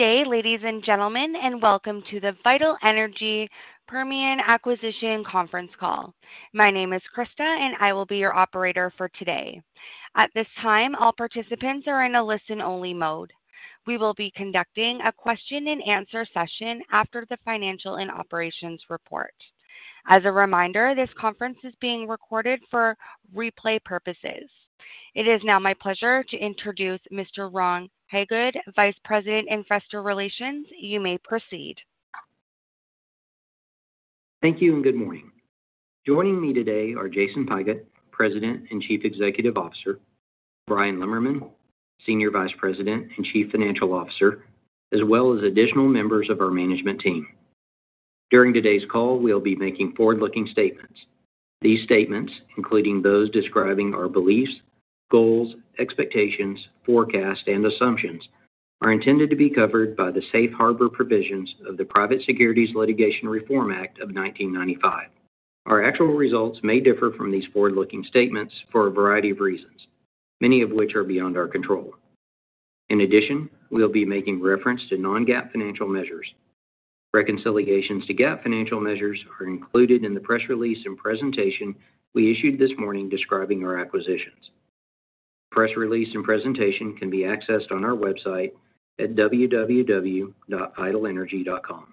Good day, ladies and gentlemen, and welcome to the Vital Energy Permian Acquisition Conference Call. My name is Krista, and I will be your operator for today. At this time, all participants are in a listen-only mode. We will be conducting a question-and-answer session after the financial and operations report. As a reminder, this conference is being recorded for replay purposes. It is now my pleasure to introduce Mr. Ron Hagood, Vice President, Investor Relations. You may proceed. Thank you, and good morning. Joining me today are Jason Pigott, President and Chief Executive Officer, Bryan Lemmerman, Senior Vice President and Chief Financial Officer, as well as additional members of our management team. During today's call, we'll be making forward-looking statements. These statements, including those describing our beliefs, goals, expectations, forecasts, and assumptions, are intended to be covered by the safe harbor provisions of the Private Securities Litigation Reform Act of 1995. Our actual results may differ from these forward-looking statements for a variety of reasons, many of which are beyond our control. In addition, we'll be making reference to non-GAAP financial measures. Reconciliations to GAAP financial measures are included in the press release and presentation we issued this morning describing our acquisitions. Press release and presentation can be accessed on our website at www.vitalenergy.com.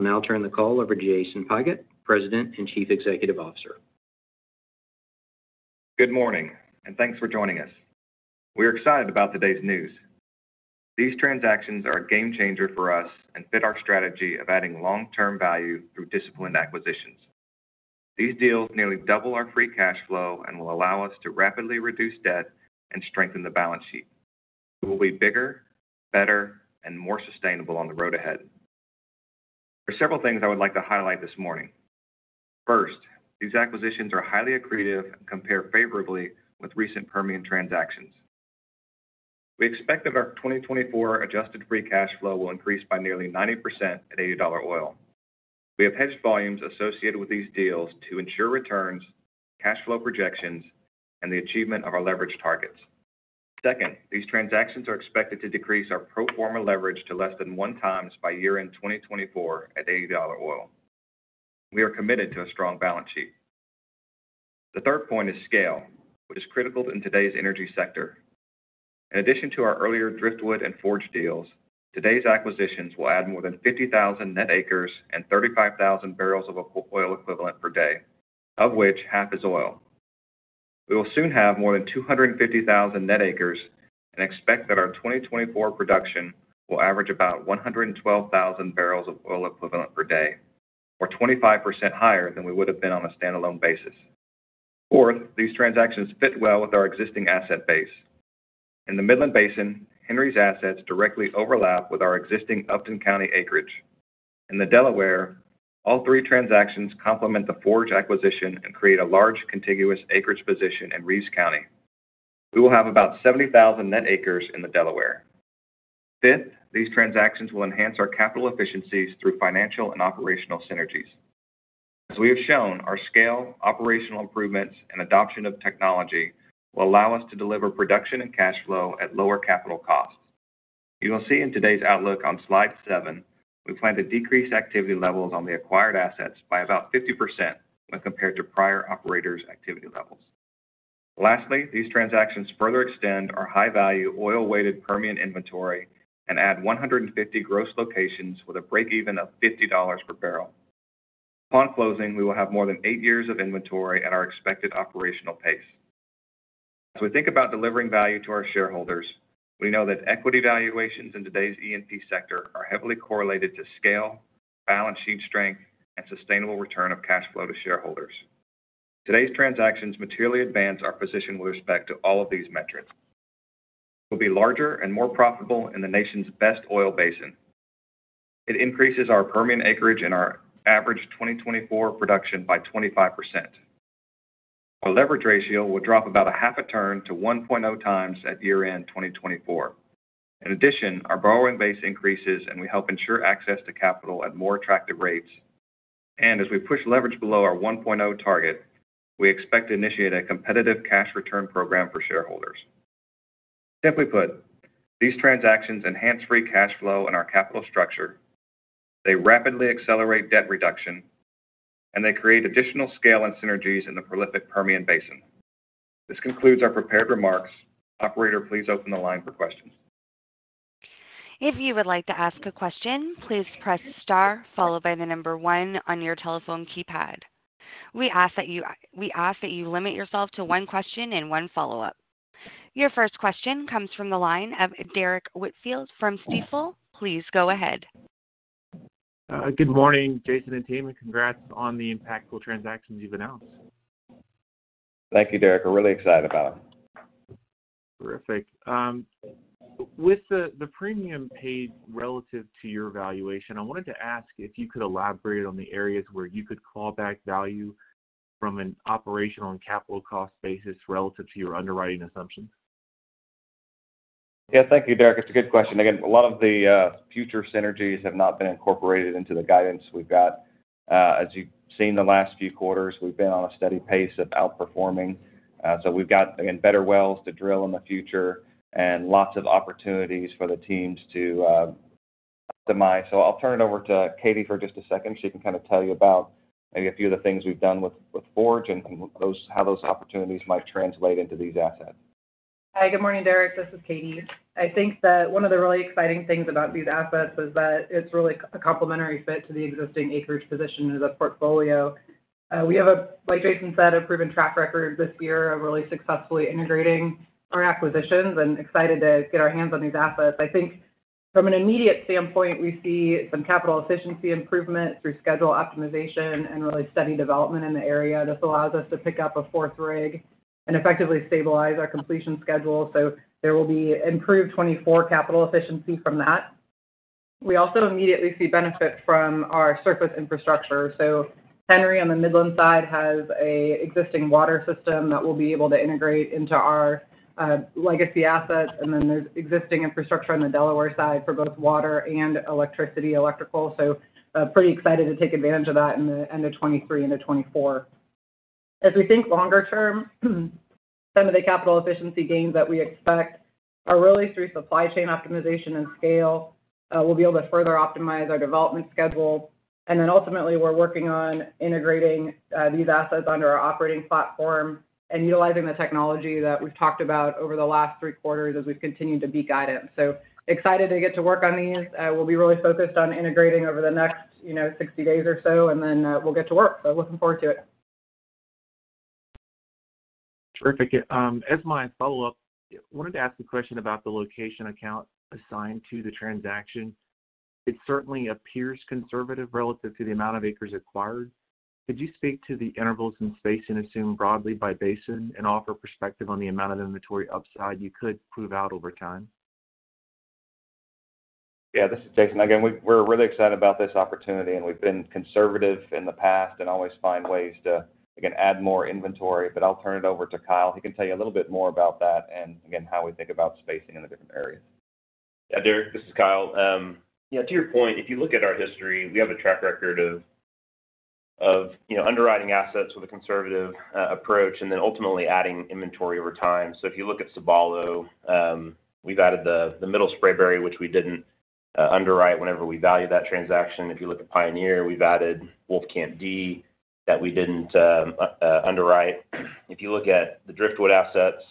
I'll now turn the call over to Jason Pigott, President and Chief Executive Officer. Good morning, and thanks for joining us. We're excited about today's news. These transactions are a game changer for us and fit our strategy of adding long-term value through disciplined acquisitions. These deals nearly double our free cash flow and will allow us to rapidly reduce debt and strengthen the balance sheet. We will be bigger, better, and more sustainable on the road ahead. There are several things I would like to highlight this morning. First, these acquisitions are highly accretive and compare favorably with recent Permian transactions. We expect that our 2024 adjusted free cash flow will increase by nearly 90% at $80 oil. We have hedged volumes associated with these deals to ensure returns, cash flow projections, and the achievement of our leverage targets. Second, these transactions are expected to decrease our pro forma leverage to less than 1x by year-end 2024 at $80 oil. We are committed to a strong balance sheet. The third point is scale, which is critical in today's energy sector. In addition to our earlier Driftwood and Forge deals, today's acquisitions will add more than 50,000 net acres and 35,000 barrels of oil equivalent per day, of which half is oil. We will soon have more than 250,000 net acres and expect that our 2024 production will average about 112,000 barrels of oil equivalent per day, or 25% higher than we would have been on a standalone basis. Fourth, these transactions fit well with our existing asset base. In the Midland Basin, Henry's assets directly overlap with our existing Upton County acreage. In the Delaware, all three transactions complement the Forge acquisition and create a large, contiguous acreage position in Reeves County. We will have about 70,000 net acres in the Delaware. Fifth, these transactions will enhance our capital efficiencies through financial and operational synergies. As we have shown, our scale, operational improvements, and adoption of technology will allow us to deliver production and cash flow at lower capital costs. You will see in today's outlook on slide 7, we plan to decrease activity levels on the acquired assets by about 50% when compared to prior operators' activity levels. Lastly, these transactions further extend our high-value, oil-weighted Permian inventory and add 150 gross locations with a break-even of $50 per barrel. Upon closing, we will have more than 8 years of inventory at our expected operational pace. As we think about delivering value to our shareholders, we know that equity valuations in today's E&P sector are heavily correlated to scale, balance sheet strength, and sustainable return of cash flow to shareholders. Today's transactions materially advance our position with respect to all of these metrics, will be larger and more profitable in the nation's best oil basin. It increases our Permian acreage and our average 2024 production by 25%. Our leverage ratio will drop about a half a turn to 1.0x at year-end 2024. In addition, our borrowing base increases, and we help ensure access to capital at more attractive rates. As we push leverage below our 1.0 target, we expect to initiate a competitive cash return program for shareholders. Simply put, these transactions enhance free cash flow in our capital structure, they rapidly accelerate debt reduction, and they create additional scale and synergies in the prolific Permian Basin. This concludes our prepared remarks. Operator, please open the line for questions. If you would like to ask a question, please press star followed by the number one on your telephone keypad. We ask that you limit yourself to one question and one follow-up. Your first question comes from the line of Derrick Whitfield from Stifel. Please go ahead. Good morning, Jason and team. Congrats on the impactful transactions you've announced. Thank you, Derrick. We're really excited about it. Terrific. With the premium paid relative to your valuation, I wanted to ask if you could elaborate on the areas where you could call back value from an operational and capital cost basis relative to your underwriting assumptions? Yeah. Thank you, Derrick. It's a good question. Again, a lot of the future synergies have not been incorporated into the guidance we've got. As you've seen the last few quarters, we've been on a steady pace of outperforming. So we've got, again, better wells to drill in the future and lots of opportunities for the teams to optimize. So I'll turn it over to Katie for just a second. She can kind of tell you about maybe a few of the things we've done with Forge and those-how those opportunities might translate into these assets. Hi, good morning, Derrick. This is Katie. I think that one of the really exciting things about these assets is that it's really a complementary fit to the existing acreage position as a portfolio. We have a, like Jason said, a proven track record this year of really successfully integrating our acquisitions and excited to get our hands on these assets. I think from an immediate standpoint, we see some capital efficiency improvement through schedule optimization and really steady development in the area. This allows us to pick up a fourth rig and effectively stabilize our completion schedule, so there will be improved 2024 capital efficiency from that. We also immediately see benefit from our surface infrastructure. So Henry, on the Midland side, has a existing water system that we'll be able to integrate into our, legacy assets, and then there's existing infrastructure on the Delaware side for both water and electricity, electrical. So, pretty excited to take advantage of that in the end of 2023 into 2024. As we think longer term, some of the capital efficiency gains that we expect are really through supply chain optimization and scale. We'll be able to further optimize our development schedule, and then ultimately, we're working on integrating, these assets under our operating platform and utilizing the technology that we've talked about over the last three quarters as we've continued to beat guidance. So excited to get to work on these. We'll be really focused on integrating over the next, you know, 60 days or so, and then, we'll get to work. Looking forward to it. Terrific. As my follow-up, wanted to ask a question about the location count assigned to the transaction. It certainly appears conservative relative to the amount of acres acquired. Could you speak to the intervals and spacing assumed broadly by basin and offer perspective on the amount of inventory upside you could prove out over time? Yeah, this is Jason. Again, we're really excited about this opportunity, and we've been conservative in the past and always find ways to, again, add more inventory. But I'll turn it over to Kyle. He can tell you a little bit more about that and again, how we think about spacing in the different areas. Yeah, Derek, this is Kyle. Yeah, to your point, if you look at our history, we have a track record of you know underwriting assets with a conservative approach and then ultimately adding inventory over time. So if you look at Sabalo, we've added the Middle Spraberry, which we didn't underwrite whenever we valued that transaction. If you look at Pioneer, we've added Wolfcamp D that we didn't underwrite. If you look at the Driftwood assets,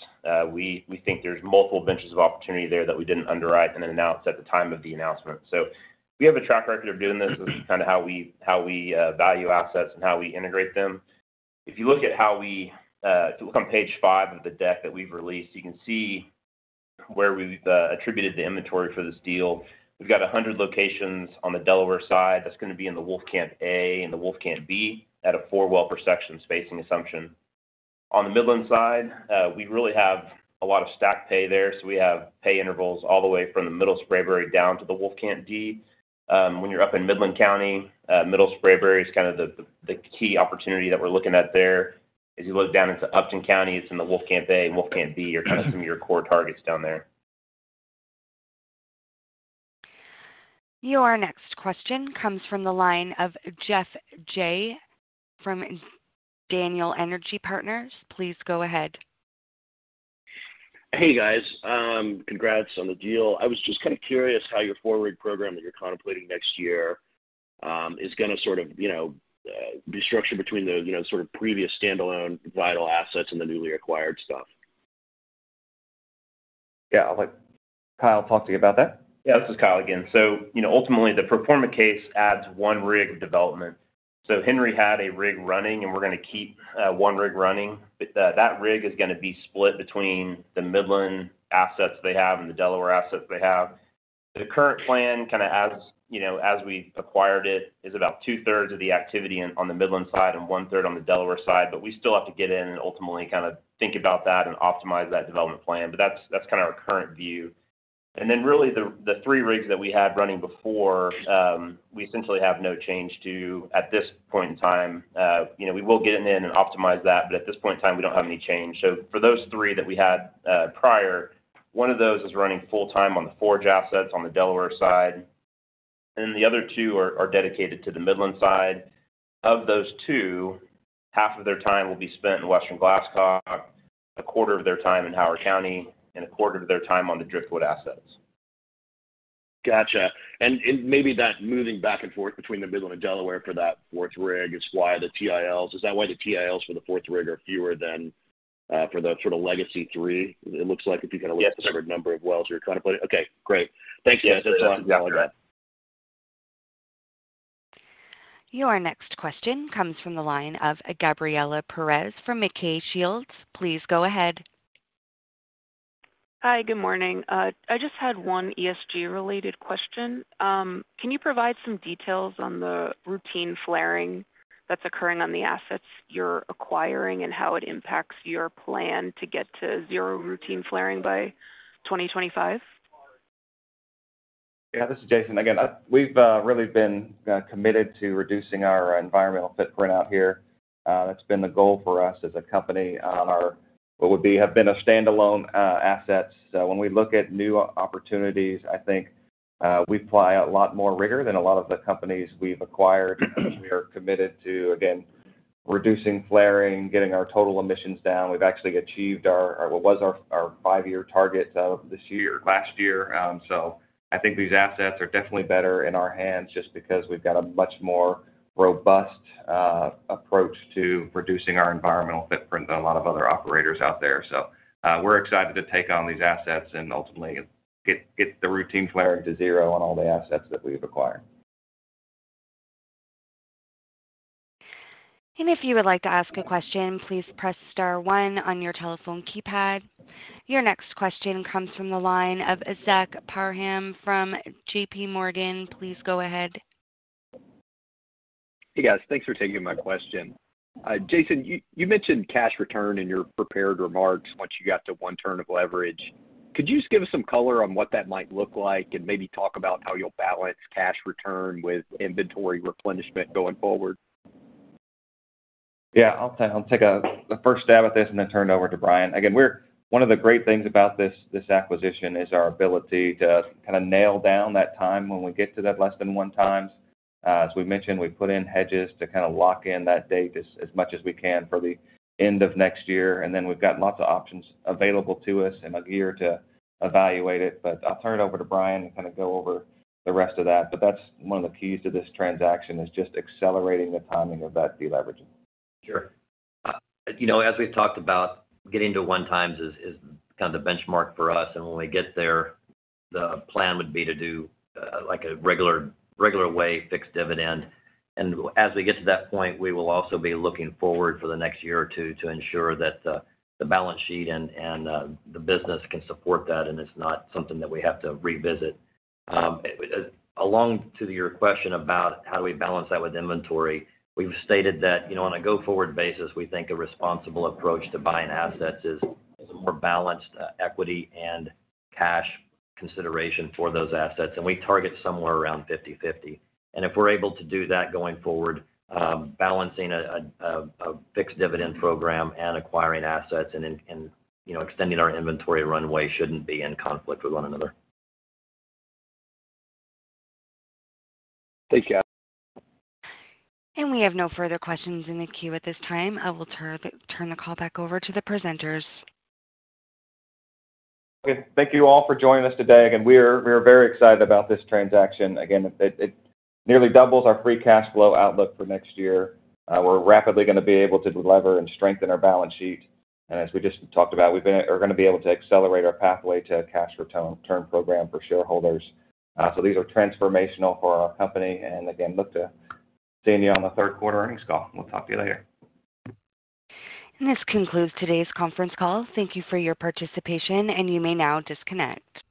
we think there's multiple benches of opportunity there that we didn't underwrite and then announce at the time of the announcement. So we have a track record of doing this. This is kind of how we value assets and how we integrate them. If you look at how we. If you look on page 5 of the deck that we've released, you can see where we've attributed the inventory for this deal. We've got 100 locations on the Delaware side that's gonna be in the Wolfcamp A and the Wolfcamp B at a 4-well per section spacing assumption. On the Midland side, we really have a lot of stack pay there, so we have pay intervals all the way from the Middle Spraberry down to the Wolfcamp D. When you're up in Midland County, Middle Spraberry is kind of the key opportunity that we're looking at there. As you look down into Upton County, it's in the Wolfcamp A and Wolfcamp B, are kind of some of your core targets down there. Your next question comes from the line of Geoff Jay from Daniel Energy Partners. Please go ahead. Hey, guys. Congrats on the deal. I was just kind of curious how your forward program that you're contemplating next year is gonna sort of, you know, be structured between the, you know, sort of previous standalone Vital assets and the newly acquired stuff? Yeah, I'll let Kyle talk to you about that. Yeah, this is Kyle again. So, you know, ultimately, the pro forma case adds one rig of development. So Henry had a rig running, and we're gonna keep one rig running. But that rig is gonna be split between the Midland assets they have and the Delaware assets they have. The current plan, kind of as, you know, as we acquired it, is about two-thirds of the activity on the Midland side and one-third on the Delaware side, but we still have to get in and ultimately kind of think about that and optimize that development plan. But that's, that's kind of our current view. And then really, the three rigs that we had running before, we essentially have no change to at this point in time. You know, we will get in there and optimize that, but at this point in time, we don't have any change. So for those three that we had prior, one of those is running full time on the Forge assets on the Delaware side, and then the other two are dedicated to the Midland side. Of those two, half of their time will be spent in western Glasscock, a quarter of their time in Howard County, and a quarter of their time on the Driftwood assets. Gotcha. And maybe that moving back and forth between the Midland and Delaware for that fourth rig is why the TILs. Is that why the TILs for the fourth rig are fewer than for the sort of legacy three? It looks like if you kind of look at the number of wells you're trying to put it. Yes, sir. Okay, great. Thanks, guys. That's all. You're welcome. Your next question comes from the line of Gabriela Perez from MacKay Shields. Please go ahead. Hi, good morning. I just had one ESG-related question. Can you provide some details on the routine flaring that's occurring on the assets you're acquiring and how it impacts your plan to get to zero routine flaring by 2025? Yeah, this is Jason. Again, we've really been committed to reducing our environmental footprint out here. That's been the goal for us as a company on our what would be, have been a standalone asset. So when we look at new opportunities, I think we apply a lot more rigor than a lot of the companies we've acquired. We are committed to, again, reducing flaring, getting our total emissions down. We've actually achieved our five-year target of this year, last year. So I think these assets are definitely better in our hands just because we've got a much more robust approach to reducing our environmental footprint than a lot of other operators out there. We're excited to take on these assets and ultimately get the routine flaring to zero on all the assets that we've acquired. If you would like to ask a question, please press star one on your telephone keypad. Your next question comes from the line of Zach Parham from JPMorgan. Please go ahead. Hey, guys. Thanks for taking my question. Jason, you, you mentioned cash return in your prepared remarks once you got to one turn of leverage. Could you just give us some color on what that might look like, and maybe talk about how you'll balance cash return with inventory replenishment going forward? Yeah, I'll take the first stab at this and then turn it over to Bryan. Again, we're one of the great things about this acquisition is our ability to kind of nail down that time when we get to that less than one times. As we've mentioned, we've put in hedges to kind of lock in that date as much as we can for the end of next year, and then we've got lots of options available to us in a year to evaluate it. But I'll turn it over to Bryan to kind of go over the rest of that, but that's one of the keys to this transaction, is just accelerating the timing of that deleveraging. Sure. You know, as we've talked about, getting to 1x is kind of the benchmark for us, and when we get there, the plan would be to do like a regular way fixed dividend. And as we get to that point, we will also be looking forward for the next year or two to ensure that the balance sheet and the business can support that, and it's not something that we have to revisit. Along to your question about how do we balance that with inventory, we've stated that, you know, on a go-forward basis, we think a responsible approach to buying assets is a more balanced equity and cash consideration for those assets, and we target somewhere around 50/50. If we're able to do that going forward, balancing a fixed dividend program and acquiring assets and, you know, extending our inventory runway shouldn't be in conflict with one another. Thanks, guys. We have no further questions in the queue at this time. I will turn the call back over to the presenters. Okay. Thank you all for joining us today. Again, we are very excited about this transaction. Again, it nearly doubles our free cash flow outlook for next year. We're rapidly gonna be able to delever and strengthen our balance sheet. And as we just talked about, we are gonna be able to accelerate our pathway to a cash return program for shareholders. So these are transformational for our company, and again, look to seeing you on the third quarter earnings call. We'll talk to you later. This concludes today's conference call. Thank you for your participation, and you may now disconnect.